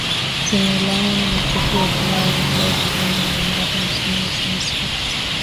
zimelaani matukio hayo yanayodaiwa kufanywa na mamlaka nchini misri